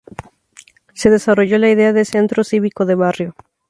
Se desarrolló la idea de centro cívico de barrio.